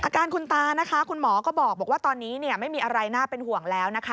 อาการคุณตานะคะคุณหมอก็บอกว่าตอนนี้ไม่มีอะไรน่าเป็นห่วงแล้วนะคะ